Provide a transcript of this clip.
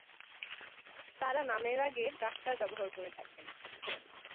তারা নামের আগে ‘ডাক্তার’ ব্যবহার করে থাকেন।